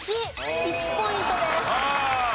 １ポイントです。